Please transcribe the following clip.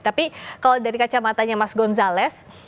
tapi kalau dari kacamatanya mas gonzalez